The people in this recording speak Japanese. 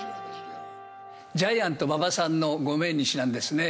ジャイアント馬場さんのご命日なんですね。